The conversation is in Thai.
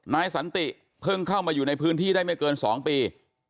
นายสันติเพิ่งเข้ามาอยู่ในพื้นที่ได้ไม่เกิน๒ปี